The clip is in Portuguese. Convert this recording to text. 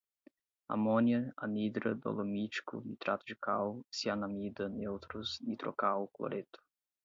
amônia, anidra, dolomítico, nitrato de cal, cianamida, neutros, nitrocal, cloreto